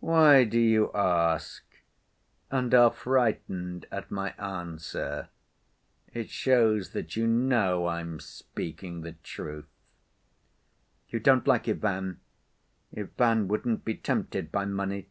"Why do you ask, and are frightened at my answer? It shows that you know I'm speaking the truth." "You don't like Ivan. Ivan wouldn't be tempted by money."